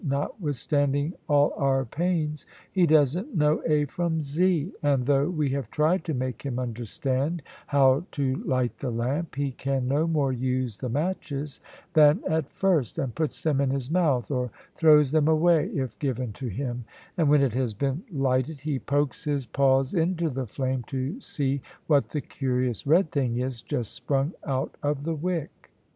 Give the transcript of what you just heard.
"Notwithstanding all our pains he doesn't know A from Z; and though we have tried to make him understand how to light the lamp, he can no more use the matches than at first, and puts them in his mouth, or throws them away if given to him; and when it has been lighted he pokes his paws into the flame to see what the curious red thing is just sprung out of the wick."